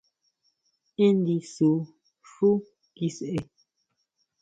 Én ndisú xú kiseʼe!